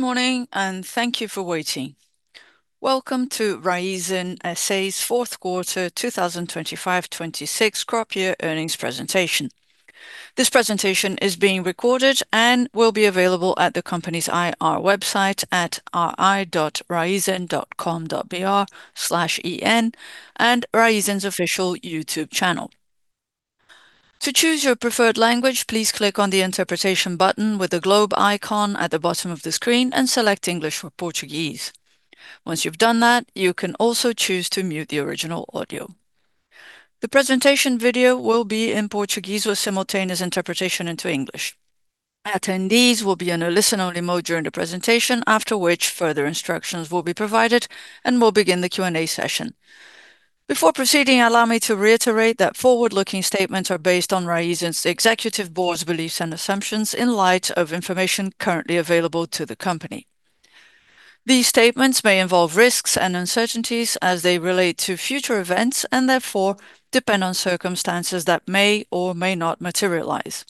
Good morning, and thank you for waiting. Welcome to Raízen S.A.'s fourth quarter 2025/2026 crop year earnings presentation. This presentation is being recorded and will be available at the company's IR website at ri.raizen.com.br/en and Raízen's official YouTube channel. To choose your preferred language, please click on the interpretation button with the globe icon at the bottom of the screen and select English or Portuguese. Once you have done that, you can also choose to mute the original audio. The presentation video will be in Portuguese with simultaneous interpretation into English. Attendees will be in a listen-only mode during the presentation, after which further instructions will be provided and we will begin the Q&A session. Before proceeding, allow me to reiterate that forward-looking statements are based on Raízen's executive board's beliefs and assumptions in light of information currently available to the company. These statements may involve risks and uncertainties as they relate to future events, and therefore depend on circumstances that may or may not materialize.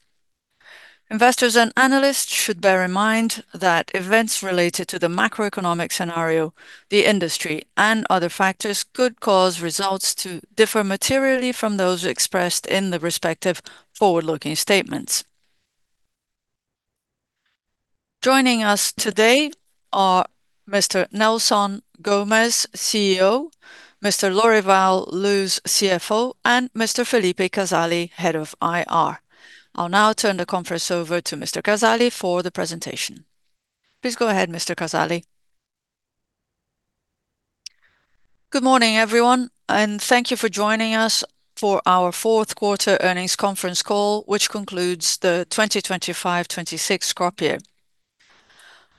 Investors and analysts should bear in mind that events related to the macroeconomic scenario, the industry, and other factors could cause results to differ materially from those expressed in the respective forward-looking statements. Joining us today are Mr. Nelson Gomes, CEO, Mr. Lorival Luz, CFO, and Mr. Phillipe Casale, Head of IR. I will now turn the conference over to Mr. Casale for the presentation. Please go ahead, Mr. Casale. Good morning, everyone, and thank you for joining us for our fourth quarter earnings conference call, which concludes the 2025/2026 crop year.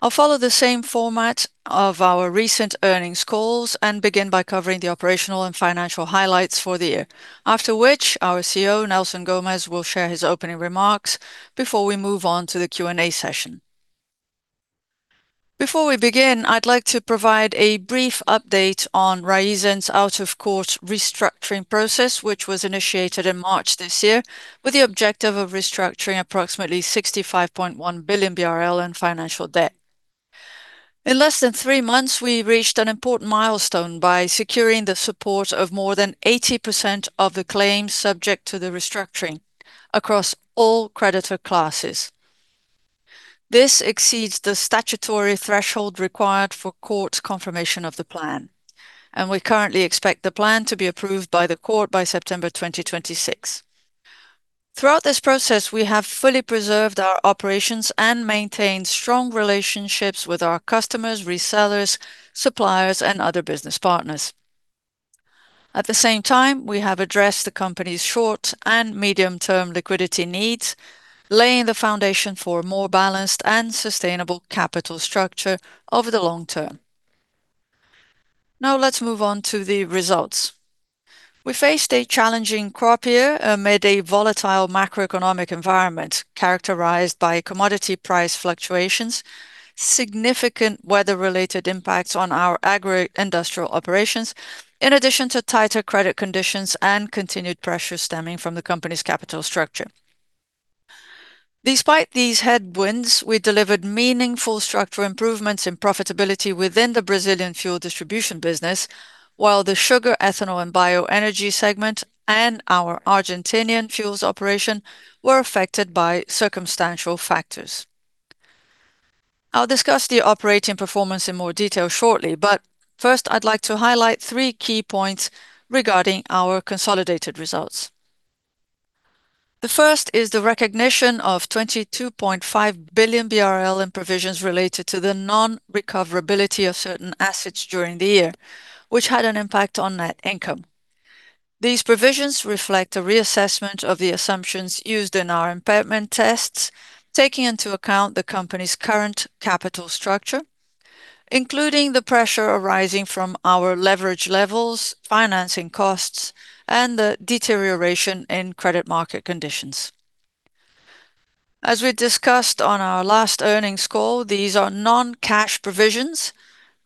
I will follow the same format of our recent earnings calls and begin by covering the operational and financial highlights for the year, after which our CEO, Nelson Gomes, will share his opening remarks before we move on to the Q&A session. Before we begin, I would like to provide a brief update on Raízen's out-of-court restructuring process, which was initiated in March this year with the objective of restructuring approximately 65.1 billion BRL in financial debt. In less than three months, we reached an important milestone by securing the support of more than 80% of the claims subject to the restructuring across all creditor classes. This exceeds the statutory threshold required for court confirmation of the plan, and we currently expect the plan to be approved by the court by September 2026. Throughout this process, we have fully preserved our operations and maintained strong relationships with our customers, resellers, suppliers, and other business partners. At the same time, we have addressed the company's short and medium-term liquidity needs, laying the foundation for a more balanced and sustainable capital structure over the long term. Now let us move on to the results. We faced a challenging crop year amid a volatile macroeconomic environment characterized by commodity price fluctuations, significant weather-related impacts on our agro-industrial operations, in addition to tighter credit conditions and continued pressure stemming from the company's capital structure. Despite these headwinds, we delivered meaningful structural improvements in profitability within the Brazilian fuel distribution business, while the sugar, ethanol, and bioenergy segment and our Argentinian fuels operation were affected by circumstantial factors. I'll discuss the operating performance in more detail shortly, but first, I'd like to highlight three key points regarding our consolidated results. The first is the recognition of 22.5 billion BRL in provisions related to the non-recoverability of certain assets during the year, which had an impact on net income. These provisions reflect a reassessment of the assumptions used in our impairment tests, taking into account the company's current capital structure, including the pressure arising from our leverage levels, financing costs, and the deterioration in credit market conditions. As we discussed on our last earnings call, these are non-cash provisions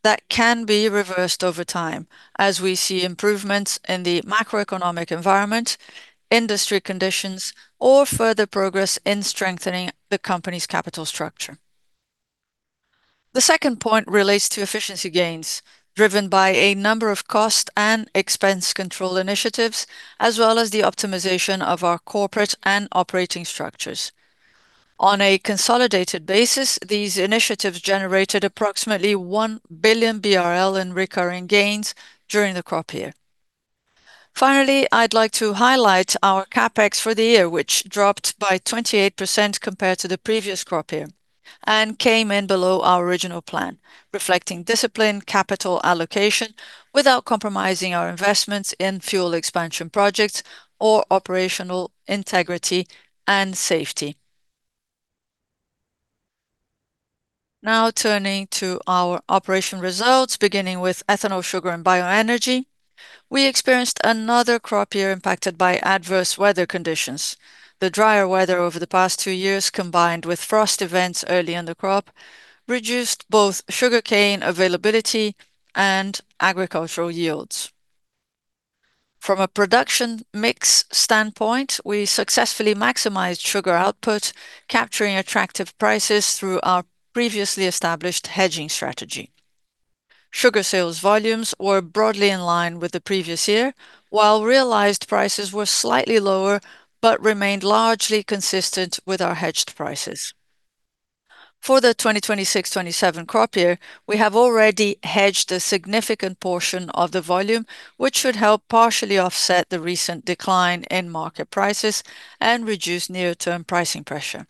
that can be reversed over time as we see improvements in the macroeconomic environment, industry conditions, or further progress in strengthening the company's capital structure. The second point relates to efficiency gains driven by a number of cost and expense control initiatives, as well as the optimization of our corporate and operating structures. On a consolidated basis, these initiatives generated approximately 1 billion BRL in recurring gains during the crop year. Finally, I'd like to highlight our CapEx for the year, which dropped by 28% compared to the previous crop year and came in below our original plan, reflecting disciplined capital allocation without compromising our investments in fuel expansion projects or operational integrity and safety. Now turning to our operation results, beginning with ethanol, sugar, and bioenergy. We experienced another crop year impacted by adverse weather conditions. The drier weather over the past two years, combined with frost events early in the crop, reduced both sugarcane availability and agricultural yields. From a production mix standpoint, we successfully maximized sugar output, capturing attractive prices through our previously established hedging strategy. Sugar sales volumes were broadly in line with the previous year, while realized prices were slightly lower, but remained largely consistent with our hedged prices. For the 2026/2027 crop year, we have already hedged a significant portion of the volume, which should help partially offset the recent decline in market prices and reduce near-term pricing pressure.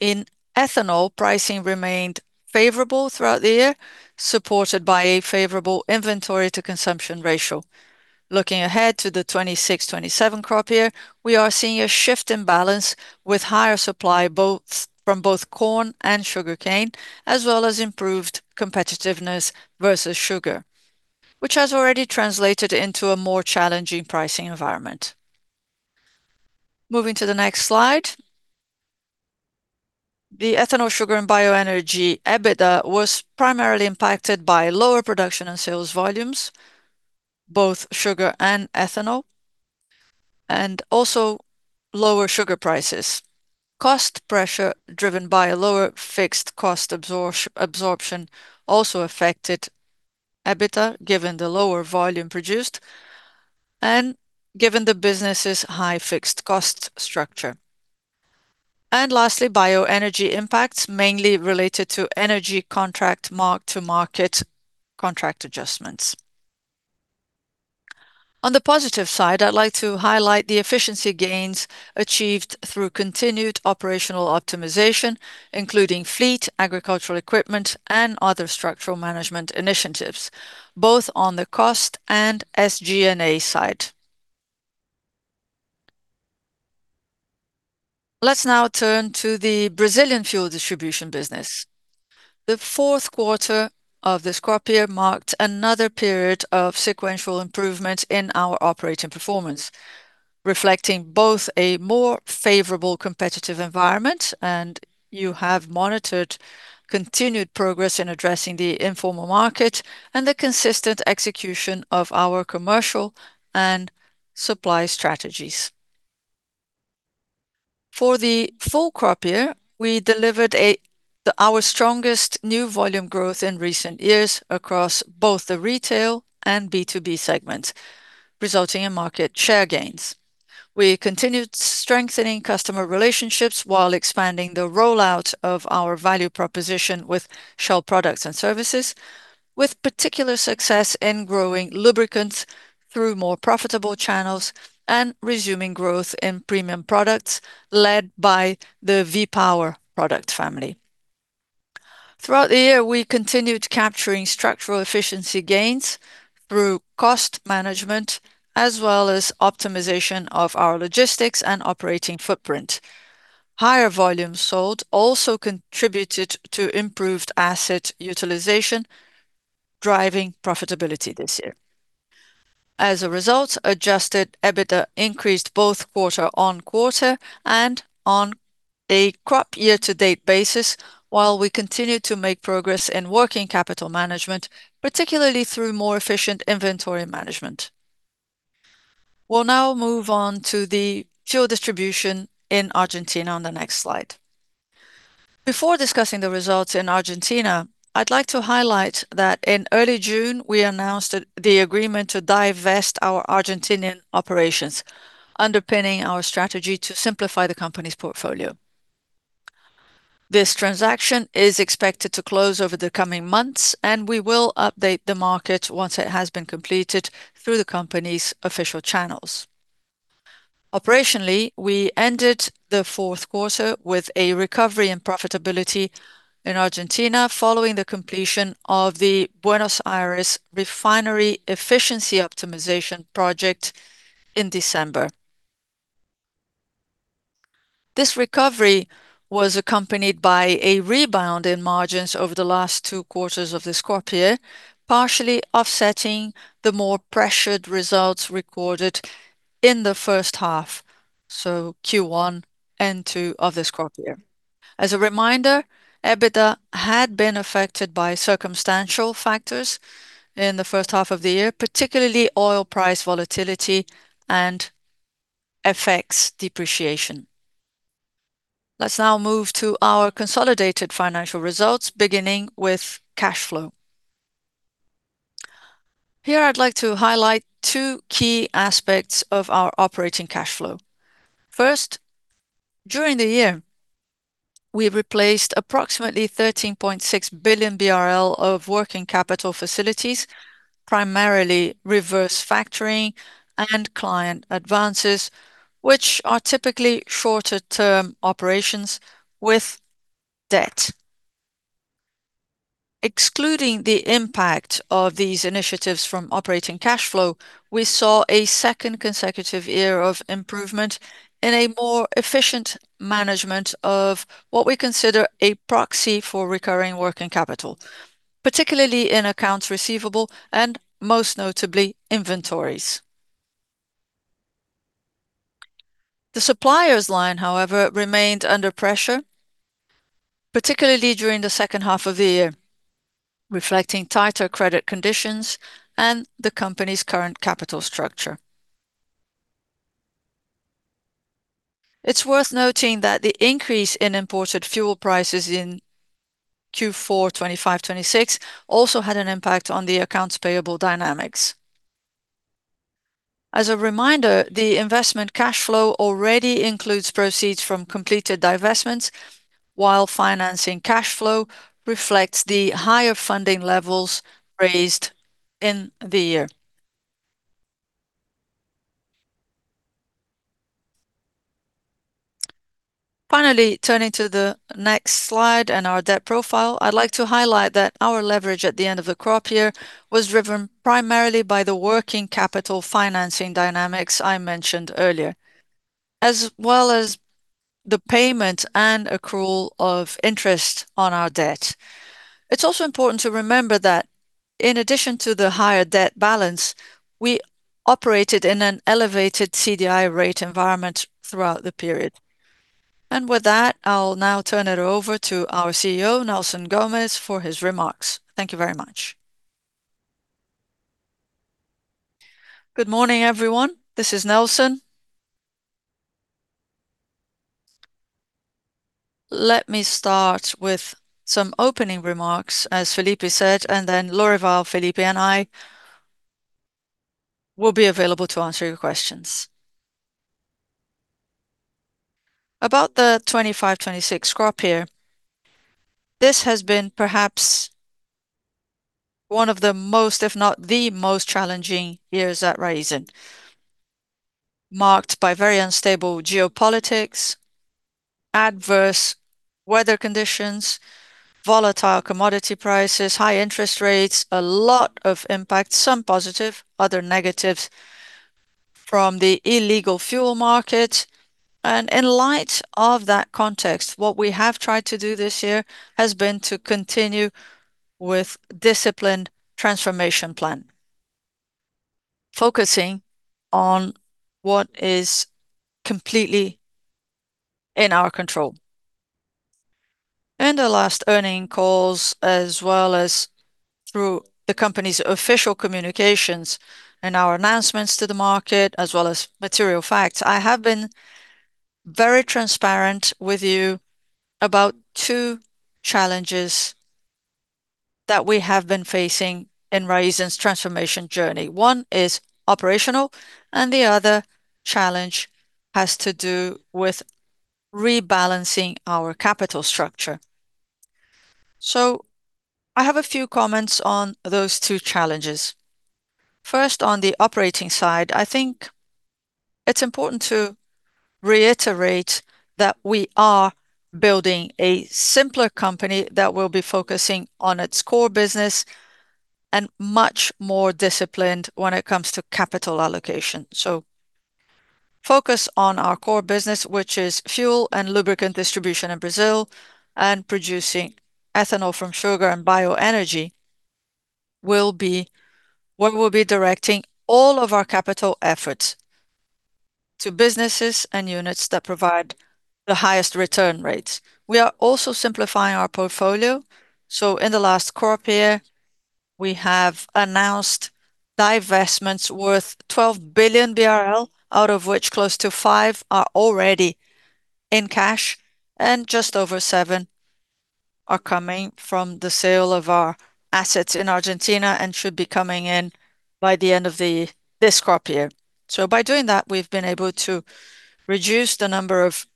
In ethanol, pricing remained favorable throughout the year, supported by a favorable inventory to consumption ratio. Looking ahead to the 2026/2027 crop year, we are seeing a shift in balance with higher supply from both corn and sugarcane, as well as improved competitiveness versus sugar, which has already translated into a more challenging pricing environment. Moving to the next slide. The ethanol, sugar, and bioenergy EBITDA was primarily impacted by lower production and sales volumes, both sugar and ethanol, and also lower sugar prices. Cost pressure, driven by a lower fixed cost absorption, also affected EBITDA, given the lower volume produced, and given the business's high fixed cost structure. Lastly, bioenergy impacts, mainly related to energy contract mark-to-market contract adjustments. On the positive side, I'd like to highlight the efficiency gains achieved through continued operational optimization, including fleet, agricultural equipment, and other structural management initiatives, both on the cost and SG&A side. Let's now turn to the Brazilian fuel distribution business. The fourth quarter of this crop year marked another period of sequential improvement in our operating performance, reflecting both a more favorable competitive environment, and you have monitored continued progress in addressing the informal market and the consistent execution of our commercial and supply strategies. For the full crop year, we delivered our strongest new volume growth in recent years across both the retail and B2B segments, resulting in market share gains. We continued strengthening customer relationships while expanding the rollout of our value proposition with Shell products and services, with particular success in growing lubricants through more profitable channels and resuming growth in premium products, led by the V-Power product family. Throughout the year, we continued capturing structural efficiency gains through cost management, as well as optimization of our logistics and operating footprint. Higher volumes sold also contributed to improved asset utilization, driving profitability this year. As a result, adjusted EBITDA increased both quarter-on-quarter and on a crop-year-to-date basis, while we continued to make progress in working capital management, particularly through more efficient inventory management. We'll now move on to the fuel distribution in Argentina on the next slide. Before discussing the results in Argentina, I'd like to highlight that in early June, we announced the agreement to divest our Argentinian operations, underpinning our strategy to simplify the company's portfolio. This transaction is expected to close over the coming months, and we will update the market once it has been completed through the company's official channels. Operationally, we ended the fourth quarter with a recovery in profitability in Argentina following the completion of the Buenos Aires refinery efficiency optimization project in December. This recovery was accompanied by a rebound in margins over the last two quarters of this crop year, partially offsetting the more pressured results recorded in the first half, so Q1 and Q2 of this crop year. As a reminder, EBITDA had been affected by circumstantial factors in the first half of the year, particularly oil price volatility and FX depreciation. Let's now move to our consolidated financial results, beginning with cash flow. Here I'd like to highlight two key aspects of our operating cash flow. First, during the year, we replaced approximately 13.6 billion BRL of working capital facilities, primarily reverse factoring and client advances, which are typically shorter-term operations with debt. Excluding the impact of these initiatives from operating cash flow, we saw a second consecutive year of improvement in a more efficient management of what we consider a proxy for recurring working capital, particularly in accounts receivable and most notably, inventories. The suppliers line, however, remained under pressure, particularly during the second half of the year, reflecting tighter credit conditions and the company's current capital structure. It's worth noting that the increase in imported fuel prices in Q4 2025/2026 also had an impact on the accounts payable dynamics. As a reminder, the investment cash flow already includes proceeds from completed divestments, while financing cash flow reflects the higher funding levels raised in the year. Finally, turning to the next slide and our debt profile, I'd like to highlight that our leverage at the end of the crop year was driven primarily by the working capital financing dynamics I mentioned earlier, as well as the payment and accrual of interest on our debt. It's also important to remember that in addition to the higher debt balance, we operated in an elevated CDI rate environment throughout the period. With that, I'll now turn it over to our CEO, Nelson Gomes, for his remarks. Thank you very much. Good morning, everyone. This is Nelson. Let me start with some opening remarks, as Phillipe said, and then Lorival, Phillipe, and I will be available to answer your questions. About the 2025/2026 crop year, this has been perhaps one of the most, if not the most challenging years at Raízen, marked by very unstable geopolitics, adverse weather conditions, volatile commodity prices, high interest rates, a lot of impact, some positive, other negatives from the illegal fuel market. In light of that context, what we have tried to do this year has been to continue with disciplined transformation plan, focusing on what is completely in our control. In the last earning calls, as well as through the company's official communications and our announcements to the market, as well as material facts, I have been very transparent with you about two challenges that we have been facing in Raízen's transformation journey. One is operational, and the other challenge has to do with rebalancing our capital structure. I have a few comments on those two challenges. First, on the operating side, I think it's important to reiterate that we are building a simpler company that will be focusing on its core business and much more disciplined when it comes to capital allocation. Focus on our core business, which is fuel and lubricant distribution in Brazil and producing ethanol from sugar and bioenergy, we will be directing all of our capital efforts to businesses and units that provide the highest return rates. We are also simplifying our portfolio. In the last crop year, we have announced divestments worth 12 billion BRL, out of which close to five are already in cash and just over seven are coming from the sale of our assets in Argentina and should be coming in by the end of this crop year. By doing that, we've been able to reduce the number of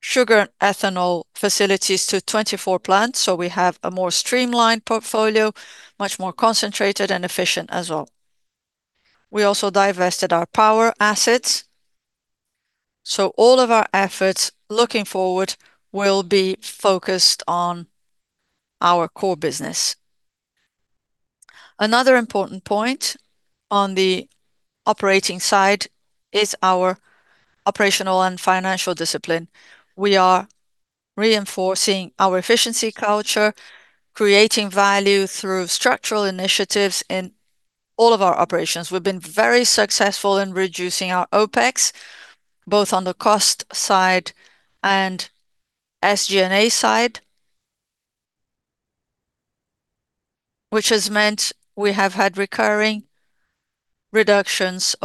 sugar and ethanol facilities to 24 plants. We have a more streamlined portfolio, much more concentrated and efficient as well. We also divested our power assets, all of our efforts looking forward will be focused on our core business. Another important point on the operating side is our operational and financial discipline. We are reinforcing our efficiency culture, creating value through structural initiatives in all of our operations. We've been very successful in reducing our OpEx, both on the cost side and SG&A side, which has meant we have had recurring reductions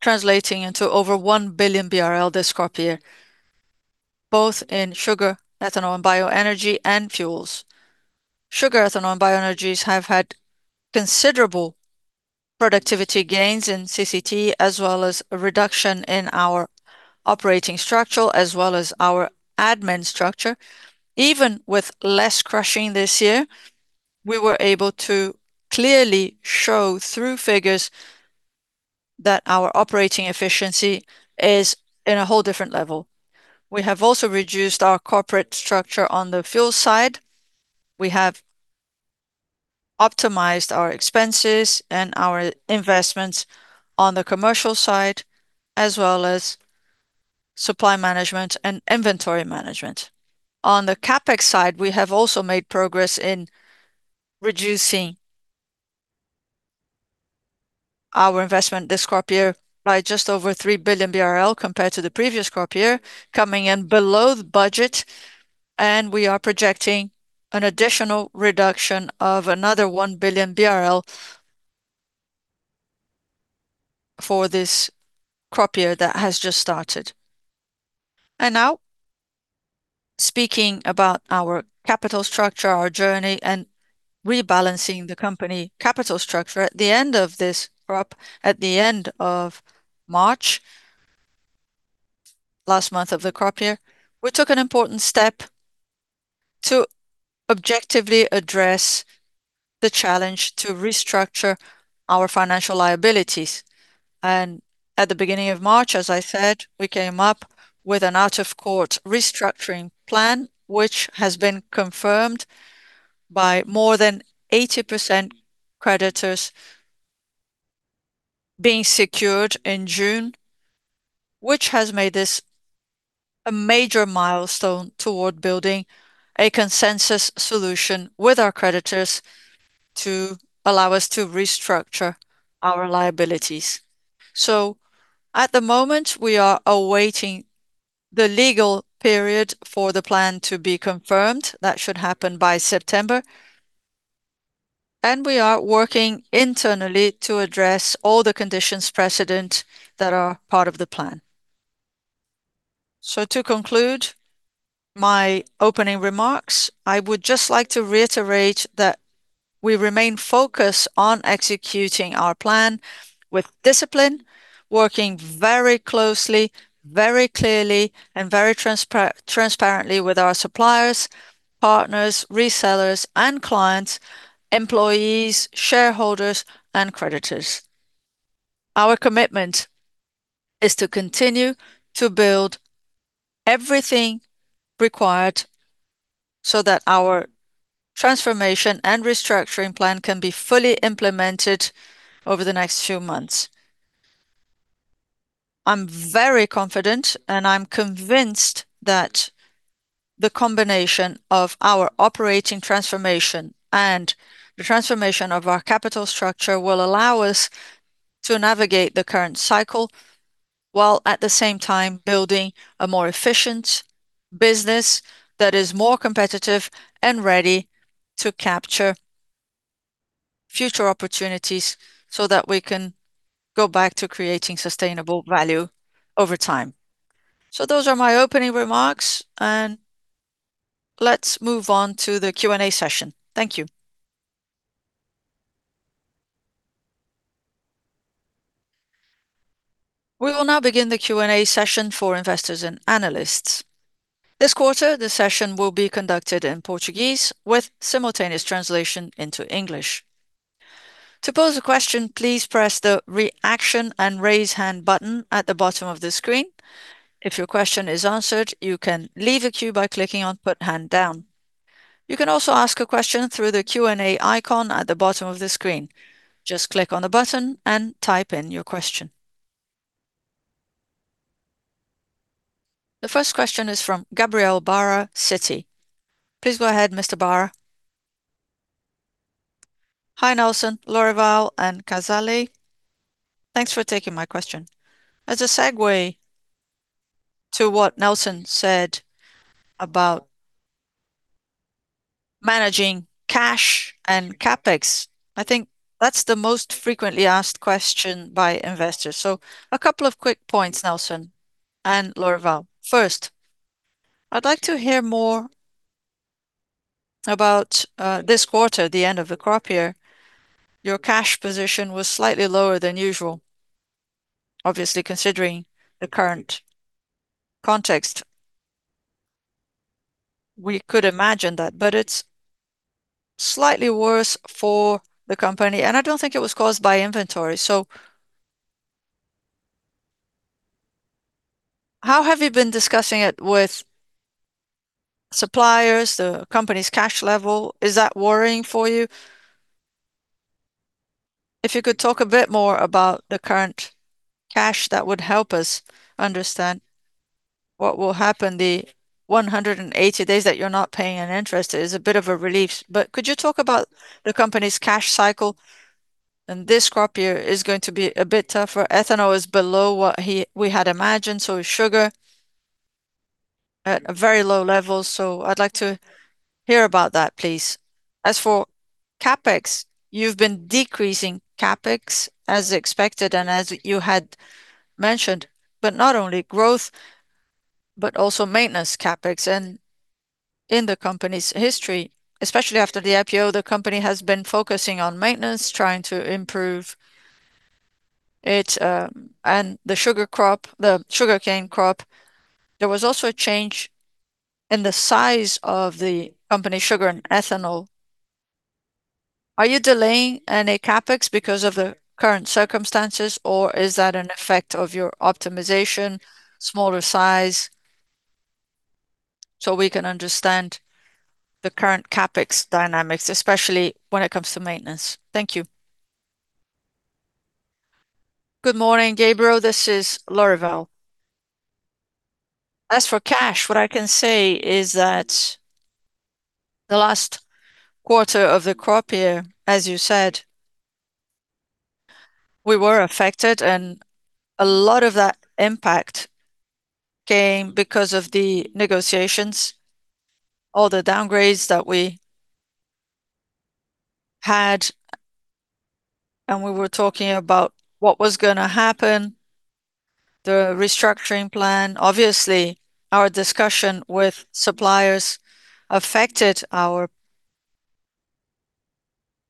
translating into over 1 billion BRL this crop year, both in sugar, ethanol, and bioenergy, and fuels. Sugar, ethanol, and bioenergies have had considerable productivity gains in CCT, as well as a reduction in our operating structure as well as our admin structure. Even with less crushing this year, we were able to clearly show through figures that our operating efficiency is in a whole different level. We have also reduced our corporate structure on the fuel side. We have optimized our expenses and our investments on the commercial side, as well as supply management, and inventory management. On the CapEx side, we have also made progress in reducing our investment this crop year by just over 3 billion BRL compared to the previous crop year, coming in below the budget, and we are projecting an additional reduction of another 1 billion BRL for this crop year that has just started. Now speaking about our capital structure, our journey, and rebalancing the company capital structure. At the end of this crop, at the end of March, last month of the crop year, we took an important step to objectively address the challenge to restructure our financial liabilities. At the beginning of March, as I said, we came up with an out-of-court restructuring plan, which has been confirmed by more than 80% creditors being secured in June, which has made this a major milestone toward building a consensus solution with our creditors to allow us to restructure our liabilities. At the moment, we are awaiting the legal period for the plan to be confirmed. That should happen by September. We are working internally to address all the conditions precedent that are part of the plan. To conclude my opening remarks, I would just like to reiterate that we remain focused on executing our plan with discipline, working very closely, very clearly, and very transparently with our suppliers, partners, resellers and clients, employees, shareholders, and creditors. Our commitment is to continue to build everything required so that our transformation and restructuring plan can be fully implemented over the next few months. I am very confident and I am convinced that the combination of our operating transformation and the transformation of our capital structure will allow us to navigate the current cycle, while at the same time building a more efficient business that is more competitive and ready to capture future opportunities so that we can go back to creating sustainable value over time. Those are my opening remarks, and let's move on to the Q&A session. Thank you. We will now begin the Q&A session for investors and analysts. This quarter, the session will be conducted in Portuguese with simultaneous translation into English. To pose a question, please press the Reaction and Raise Hand button at the bottom of the screen. If your question is answered, you can leave the queue by clicking on Put Hand Down. You can also ask a question through the Q&A icon at the bottom of the screen. Just click on the button and type in your question. The first question is from Gabriel Barra, Citi. Please go ahead, Mr. Barra. Hi, Nelson, Lorival, and Casale. Thanks for taking my question. As a segue to what Nelson said about managing cash and CapEx, I think that's the most frequently asked question by investors. A couple of quick points, Nelson and Lorival. First, I'd like to hear more about this quarter, the end of the crop year. Your cash position was slightly lower than usual. Obviously, considering the current context, we could imagine that, but it's slightly worse for the company, and I don't think it was caused by inventory. How have you been discussing it with suppliers, the company's cash level? Is that worrying for you? If you could talk a bit more about the current cash, that would help us understand what will happen. The 180 days that you're not paying an interest is a bit of a relief. Could you talk about the company's cash cycle? This crop year is going to be a bit tougher. Ethanol is below what we had imagined, so is sugar, at a very low level. I'd like to hear about that, please. As for CapEx, you've been decreasing CapEx as expected and as you had mentioned, but not only growth, but also maintenance CapEx. In the company's history, especially after the IPO, the company has been focusing on maintenance, trying to improve it. The sugarcane crop, there was also a change in the size of the company sugar and ethanol. Are you delaying any CapEx because of the current circumstances, or is that an effect of your optimization, smaller size? We can understand the current CapEx dynamics, especially when it comes to maintenance. Thank you. Good morning, Gabriel. This is Lorival. As for cash, what I can say is that the last quarter of the crop year, as you said, we were affected. A lot of that impact came because of the negotiations, all the downgrades that we had. We were talking about what was going to happen, the restructuring plan. Obviously, our discussion with suppliers affected our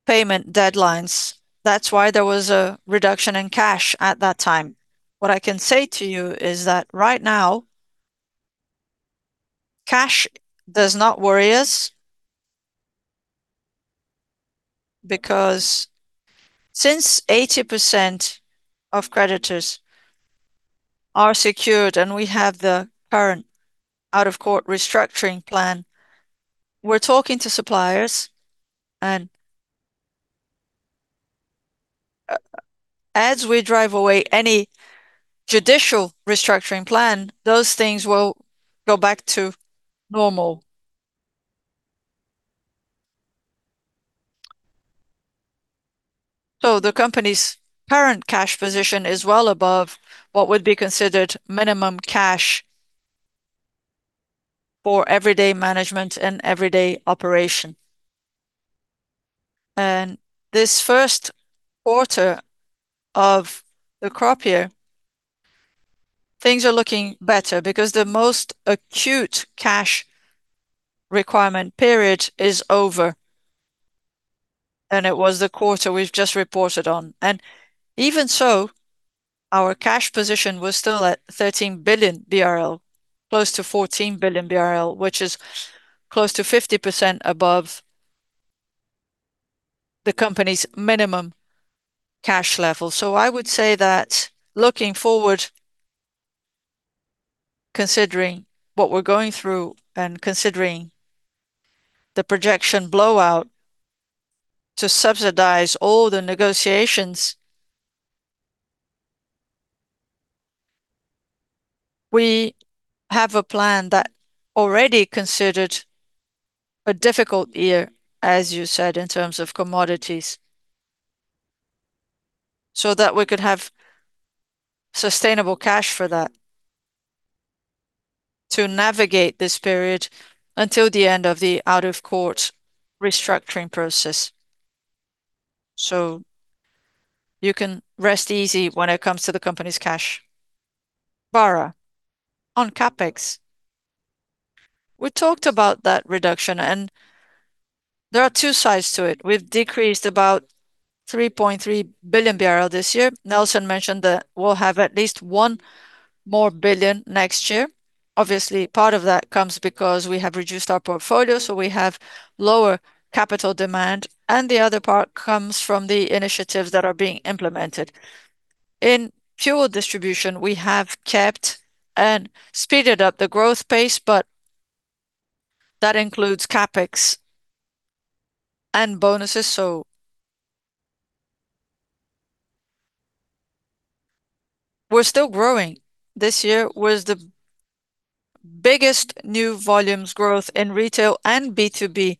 payment deadlines. That's why there was a reduction in cash at that time. What I can say to you is that right now, cash does not worry us, because since 80% of creditors are secured. We have the current out-of-court restructuring plan. We're talking to suppliers. As we drive away any judicial restructuring plan, those things will go back to normal. The company's current cash position is well above what would be considered minimum cash for everyday management and everyday operation. This first quarter of the crop year, things are looking better because the most acute cash requirement period is over. It was the quarter we've just reported on. Even so, our cash position was still at 13 billion BRL, close to 14 billion BRL, which is close to 50% above the company's minimum cash level. I would say that looking forward, considering what we're going through and considering the projection blowout to subsidize all the negotiations, we have a plan that already considered a difficult year, as you said, in terms of commodities, so that we could have sustainable cash for that to navigate this period until the end of the out-of-court restructuring process. You can rest easy when it comes to the company's cash. Barra, on CapEx, we talked about that reduction. There are two sides to it. We've decreased about 3.3 billion this year. Nelson mentioned that we'll have at least 1 billion next year. Obviously, part of that comes because we have reduced our portfolio. We have lower capital demand. The other part comes from the initiatives that are being implemented. In fuel distribution, we have kept and speeded up the growth pace, but that includes CapEx and bonuses. We're still growing. This year was the biggest new volumes growth in retail and B2B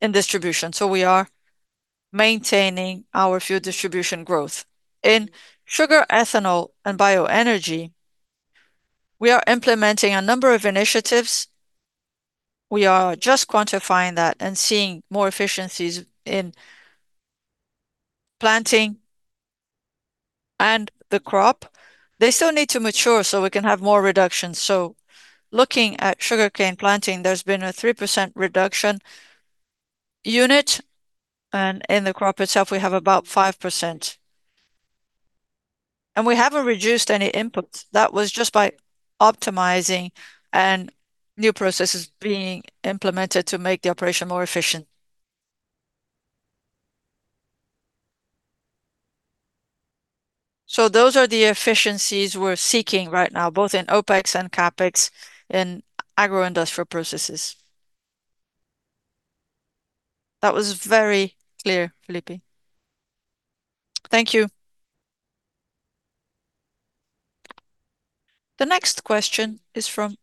in distribution. We are maintaining our fuel distribution growth. In sugar, ethanol, and bioenergy, we are implementing a number of initiatives. We are just quantifying that. Seeing more efficiencies in planting and the crop. They still need to mature. We can have more reductions. Looking at sugarcane planting, there's been a 3% reduction unit. In the crop itself, we have about 5%. We haven't reduced any inputs. That was just by optimizing and new processes being implemented to make the operation more efficient. Those are the efficiencies we're seeking right now, both in OpEx and CapEx in agro-industrial processes. That was very clear, Phillipe. Thank you. The next question is from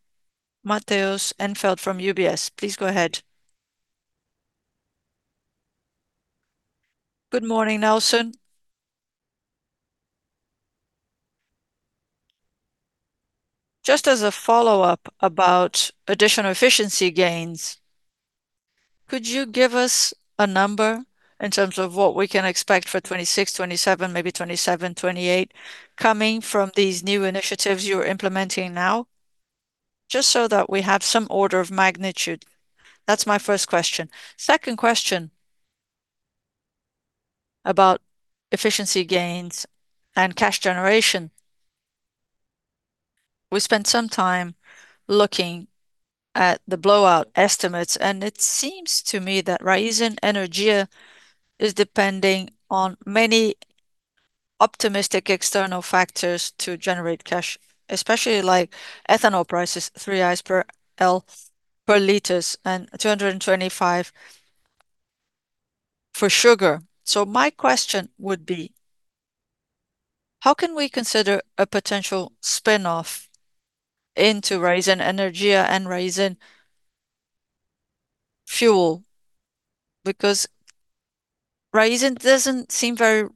Matheus Enfeldt from UBS. Please go ahead. Good morning, Nelson. Just as a follow-up about additional efficiency gains, could you give us a number in terms of what we can expect for 2026/2027, maybe 2027/2028, coming from these new initiatives you're implementing now, just so that we have some order of magnitude. That's my first question. Second question about efficiency gains and cash generation. We spent some time looking at the blowout estimates, and it seems to me that Raízen Energia is depending on many optimistic external factors to generate cash, especially ethanol prices, 3 per liter and 225 for sugar. My question would be, how can we consider a potential spinoff into Raízen Energia and Raízen Fuel? Because Raízen doesn't seem very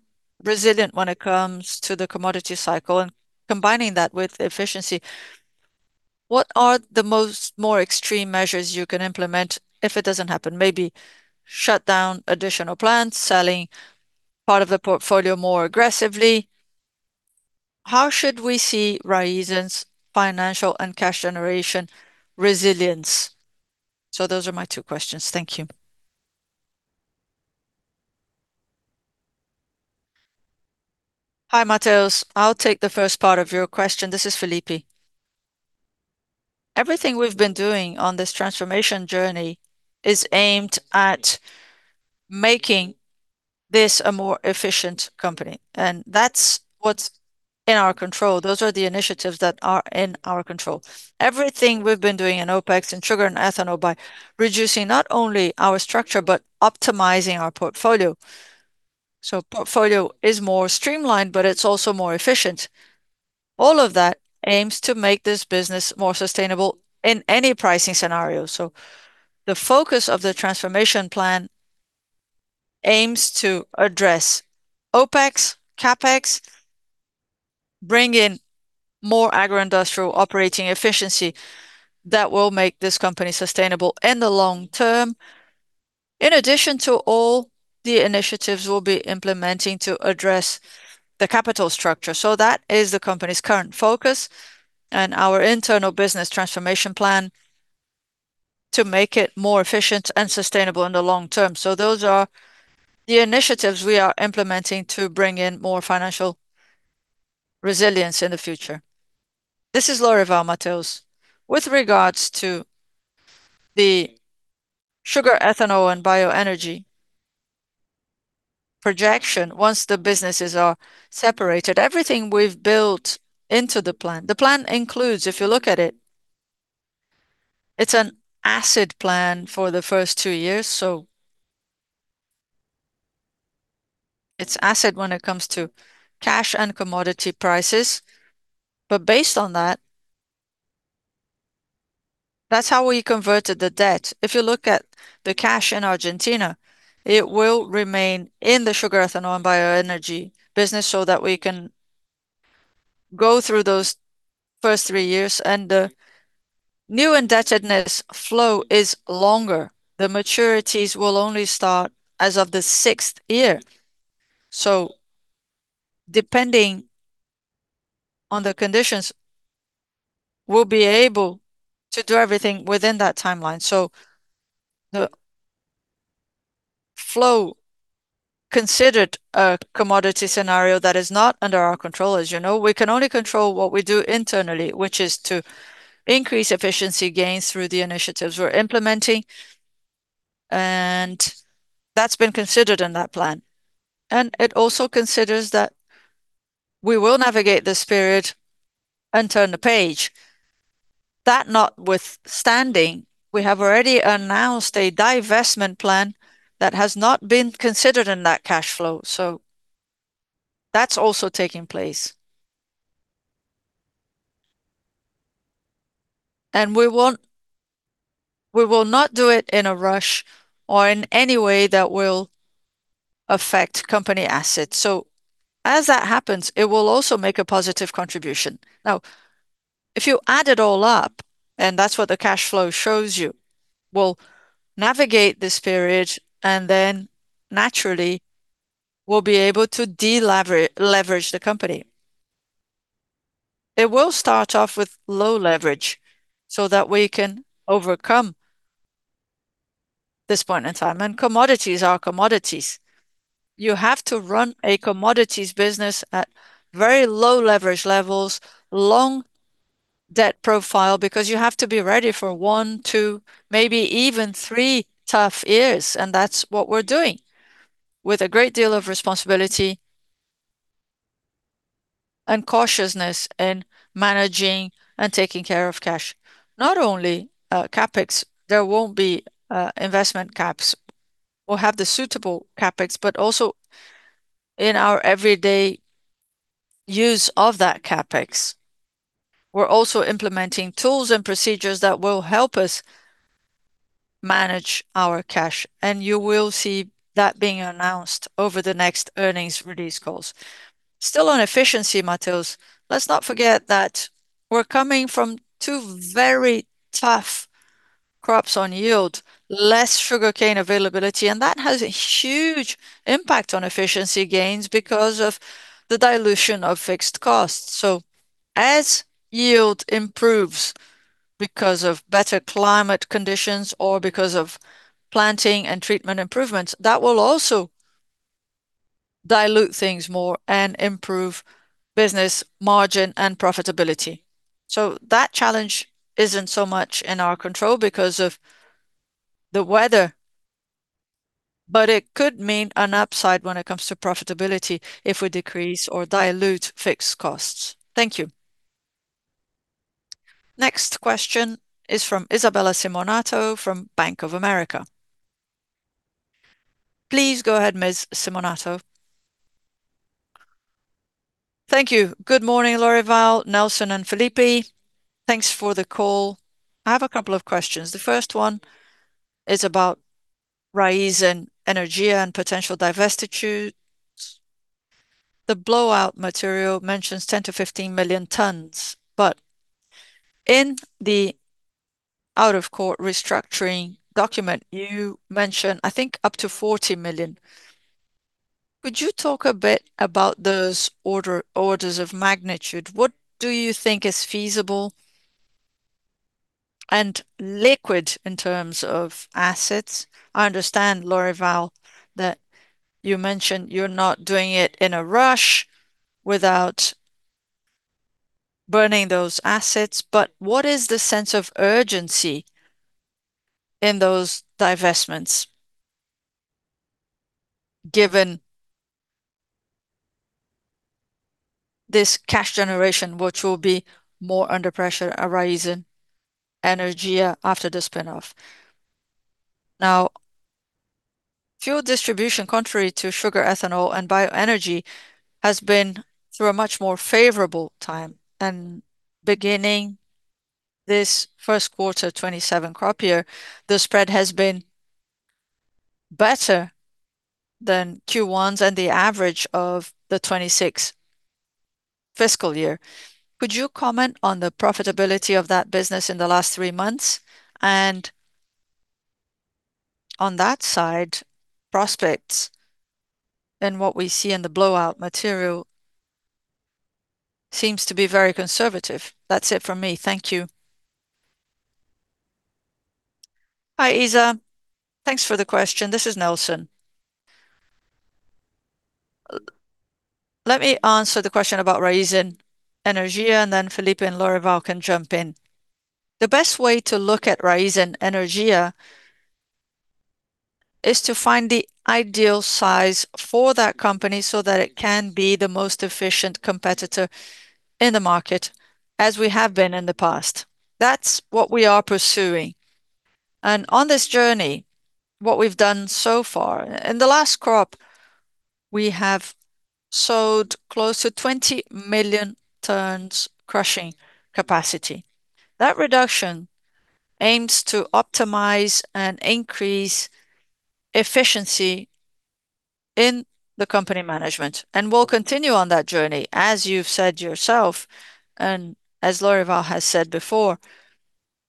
resilient when it comes to the commodity cycle and combining that with efficiency. What are the more extreme measures you can implement if it doesn't happen? Maybe shut down additional plants, selling part of the portfolio more aggressively. How should we see Raízen's financial and cash generation resilience? Those are my two questions. Thank you. Hi, Matheus. I'll take the first part of your question. This is Phillipe. Everything we've been doing on this transformation journey is aimed at making this a more efficient company, and that's what's in our control. Those are the initiatives that are in our control. Everything we've been doing in OpEx and sugar and ethanol by reducing not only our structure, but optimizing our portfolio. Portfolio is more streamlined, but it's also more efficient. All of that aims to make this business more sustainable in any pricing scenario. The focus of the transformation plan aims to address OpEx, CapEx, bring in more agro-industrial operating efficiency that will make this company sustainable in the long term, in addition to all the initiatives we'll be implementing to address the capital structure. That is the company's current focus and our internal business transformation plan to make it more efficient and sustainable in the long term. Those are the initiatives we are implementing to bring in more financial resilience in the future. This is Lorival, Matheus. With regards to the sugar, ethanol, and bioenergy projection, once the businesses are separated, everything we've built into the plan. The plan includes, if you look at it's an asset plan for the first two years. It's asset when it comes to cash and commodity prices. Based on that's how we converted the debt. If you look at the cash in Argentina, it will remain in the sugar, ethanol, and bioenergy business so that we can go through those first three years, and the new indebtedness flow is longer. The maturities will only start as of the sixth year. Depending on the conditions, we'll be able to do everything within that timeline. The flow considered a commodity scenario that is not under our control, as you know. We can only control what we do internally, which is to increase efficiency gains through the initiatives we're implementing, and that's been considered in that plan. It also considers that we will navigate this period and turn the page. That notwithstanding, we have already announced a divestment plan that has not been considered in that cash flow. That's also taking place. We will not do it in a rush or in any way that will affect company assets. As that happens, it will also make a positive contribution. If you add it all up, and that's what the cash flow shows you, we'll navigate this period, then naturally, we'll be able to deleverage the company. It will start off with low leverage so that we can overcome this point in time. Commodities are commodities. You have to run a commodities business at very low leverage levels, long debt profile, because you have to be ready for one, two, maybe even three tough years, and that's what we're doing with a great deal of responsibility and cautiousness in managing and taking care of cash. Not only CapEx, there won't be investment caps. We'll have the suitable CapEx, but also in our everyday use of that CapEx, we're also implementing tools and procedures that will help us manage our cash. You will see that being announced over the next earnings release calls. Still on efficiency, Matheus, let's not forget that we're coming from two very tough crops on yield, less sugarcane availability, and that has a huge impact on efficiency gains because of the dilution of fixed costs. As yield improves because of better climate conditions or because of planting and treatment improvements, that will also dilute things more and improve business margin and profitability. That challenge isn't so much in our control because of the weather. It could mean an upside when it comes to profitability if we decrease or dilute fixed costs. Thank you. Next question is from Isabella Simonato from Bank of America. Please go ahead, Ms. Simonato. Thank you. Good morning, Lorival, Nelson, and Phillipe. Thanks for the call. I have a couple of questions. The first one is about Raízen Energia and potential divestitures. The blowout material mentions 10 million tons-15 million tons, but in the out-of-court restructuring document, you mention, I think, up to 40 million tons. Could you talk a bit about those orders of magnitude? What do you think is feasible and liquid in terms of assets? I understand, Lorival, that you mentioned you're not doing it in a rush without burning those assets, what is the sense of urgency in those divestments, given this cash generation, which will be more under pressure at Raízen Energia after the spin-off? Fuel distribution, contrary to sugar ethanol and bioenergy, has been through a much more favorable time. Beginning this first quarter 2027 crop year, the spread has been better than Q1's and the average of the 2026 fiscal year. Could you comment on the profitability of that business in the last three months? On that side, prospects than what we see in the blowout material seems to be very conservative. That's it from me. Thank you. Hi, Isa. Thanks for the question. This is Nelson. Let me answer the question about Raízen Energia, then Phillipe and Lorival can jump in. The best way to look at Raízen Energia is to find the ideal size for that company so that it can be the most efficient competitor in the market, as we have been in the past. That's what we are pursuing. On this journey, what we've done so far, in the last crop, we have sowed close to 20 million tons crushing capacity. That reduction aims to optimize and increase efficiency in the company management, and we'll continue on that journey, as you've said yourself and as Lorival has said before.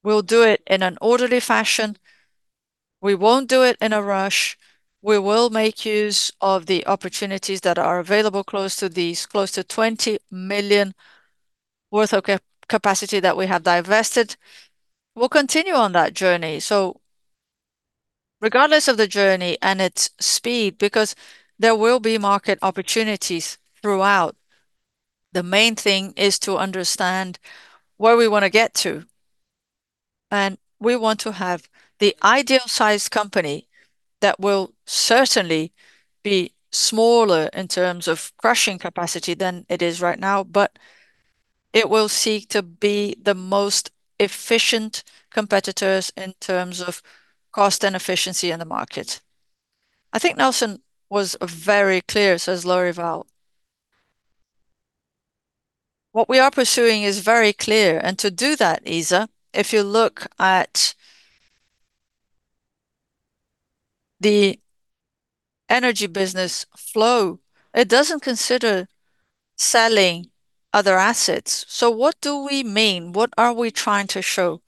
We'll do it in an orderly fashion. We won't do it in a rush. We will make use of the opportunities that are available close to these, close to 20 million worth of capacity that we have divested. We'll continue on that journey. Regardless of the journey and its speed, because there will be market opportunities throughout, the main thing is to understand where we want to get to. We want to have the ideal sized company that will certainly be smaller in terms of crushing capacity than it is right now, but it will seek to be the most efficient competitors in terms of cost and efficiency in the market. I think Nelson was very clear, says Lorival. What we are pursuing is very clear. To do that, Isa, if you look at the energy business flow, it doesn't consider selling other assets. What do we mean? What are we trying to show?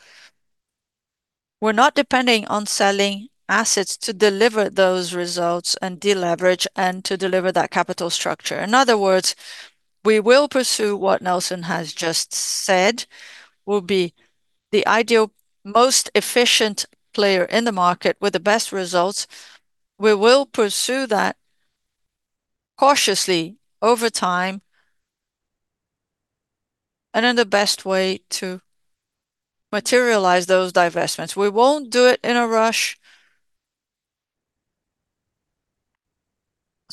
We're not depending on selling assets to deliver those results and deleverage and to deliver that capital structure. In other words, we will pursue what Nelson has just said, we'll be the ideal, most efficient player in the market with the best results. We will pursue that cautiously over time and in the best way to materialize those divestments. We won't do it in a rush.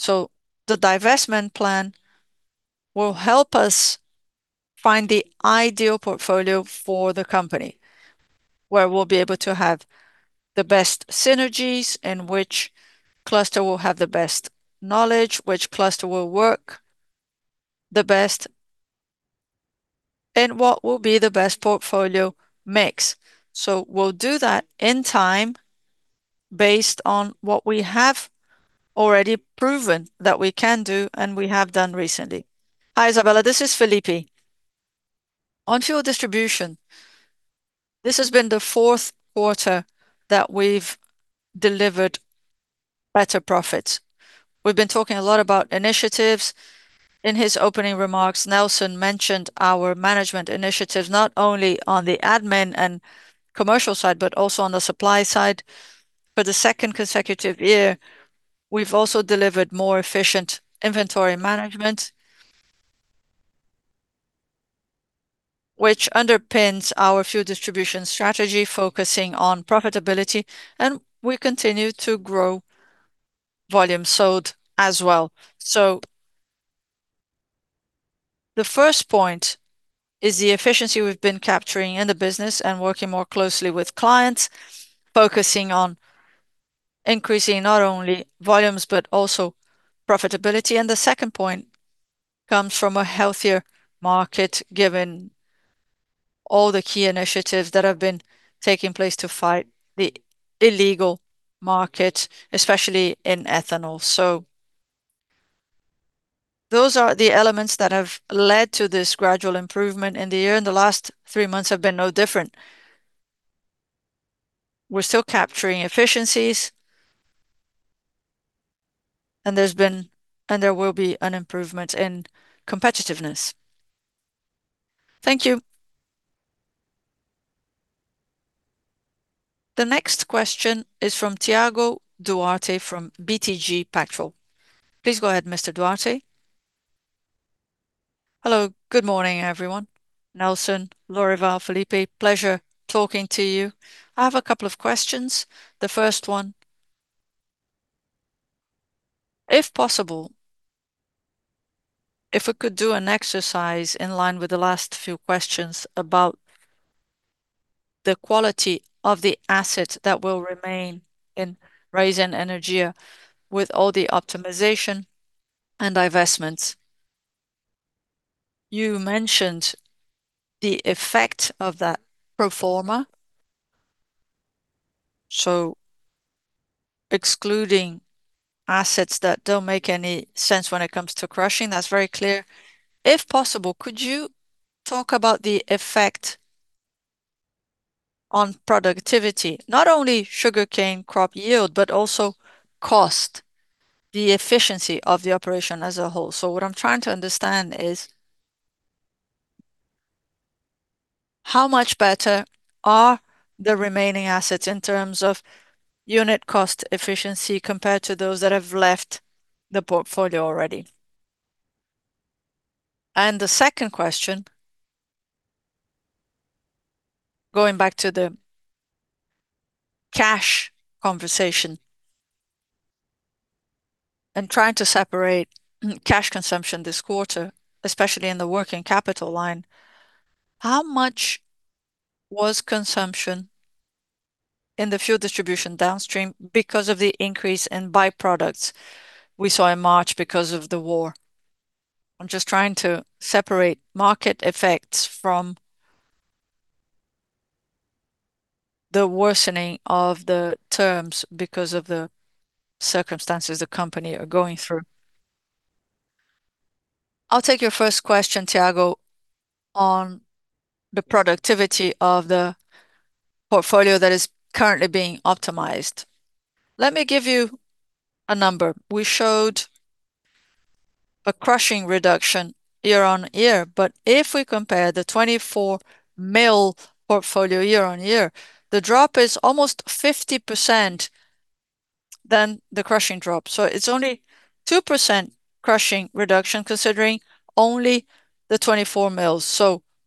The divestment plan will help us find the ideal portfolio for the company, where we'll be able to have the best synergies and which cluster will have the best knowledge, which cluster will work the best, and what will be the best portfolio mix. We'll do that in time based on what we have already proven that we can do and we have done recently. Hi, Isabella. This is Phillipe. On fuel distribution, this has been the fourth quarter that we've delivered better profits. We've been talking a lot about initiatives. In his opening remarks, Nelson mentioned our management initiatives, not only on the admin and commercial side, but also on the supply side. For the second consecutive year, we've also delivered more efficient inventory management which underpins our fuel distribution strategy, focusing on profitability, and we continue to grow volume sold as well. The first point is the efficiency we've been capturing in the business and working more closely with clients, focusing on increasing not only volumes, but also profitability. The second point comes from a healthier market, given all the key initiatives that have been taking place to fight the illegal market, especially in ethanol. Those are the elements that have led to this gradual improvement in the year, and the last three months have been no different. We're still capturing efficiencies and there will be an improvement in competitiveness. Thank you. The next question is from Thiago Duarte from BTG Pactual. Please go ahead, Mr. Duarte. Hello. Good morning, everyone. Nelson, Lorival, Phillipe, pleasure talking to you. I have a couple of questions. The first one, if possible, if we could do an exercise in line with the last few questions about the quality of the asset that will remain in Raízen Energia with all the optimization and divestments. You mentioned the effect of that pro forma, so excluding assets that don't make any sense when it comes to crushing, that's very clear. If possible, could you talk about the effect on productivity, not only sugarcane crop yield, but also cost, the efficiency of the operation as a whole. What I'm trying to understand is how much better are the remaining assets in terms of unit cost efficiency compared to those that have left the portfolio already? The second question, going back to the cash conversation and trying to separate cash consumption this quarter, especially in the working capital line, how much was consumption in the fuel distribution downstream because of the increase in byproducts we saw in March because of the war? I'm just trying to separate market effects from the worsening of the terms because of the circumstances the company are going through. I'll take your first question, Thiago, on the productivity of the portfolio that is currently being optimized. Let me give you a number. We showed a crushing reduction year-on-year, but if we compare the 24 million portfolio year-on-year, the drop is almost 50% than the crushing drop. It's only 2% crushing reduction considering only the 24 million.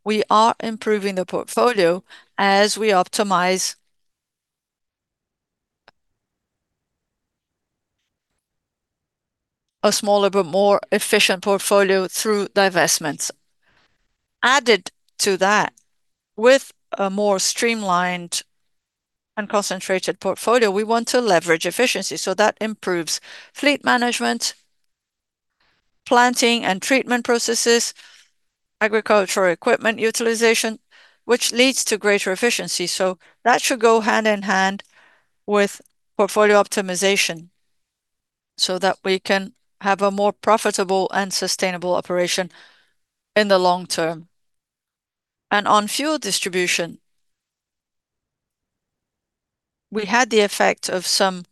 We are improving the portfolio as we optimize a smaller but more efficient portfolio through divestments. Added to that, with a more streamlined and concentrated portfolio, we want to leverage efficiency. That improves fleet management, planting and treatment processes, agricultural equipment utilization, which leads to greater efficiency. That should go hand in hand with portfolio optimization so that we can have a more profitable and sustainable operation in the long term. On fuel distribution, we had the effect of some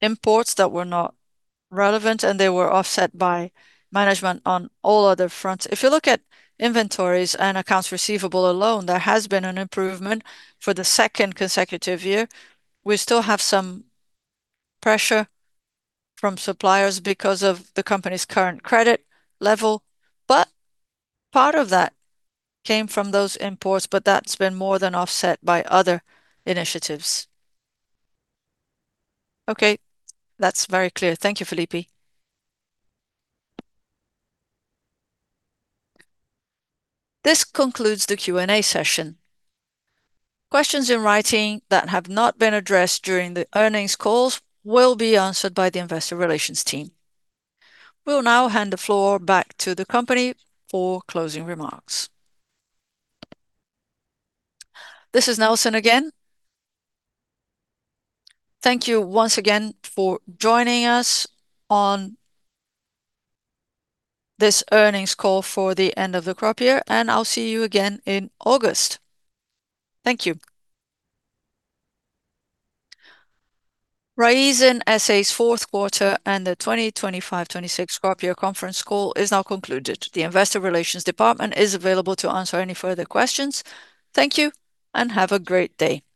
imports that were not relevant, and they were offset by management on all other fronts. If you look at inventories and accounts receivable alone, there has been an improvement for the second consecutive year. We still have some pressure from suppliers because of the company's current credit level, but part of that came from those imports, but that's been more than offset by other initiatives. Okay. That's very clear. Thank you, Phillipe. This concludes the Q&A session. Questions in writing that have not been addressed during the earnings calls will be answered by the investor relations team. We'll now hand the floor back to the company for closing remarks. This is Nelson again. Thank you once again for joining us on this earnings call for the end of the crop year, and I'll see you again in August. Thank you. Raízen S.A.'s fourth quarter and the 2025/2026 crop year conference call is now concluded. The investor relations department is available to answer any further questions. Thank you, and have a great day.